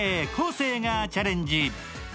生がチャレンジ。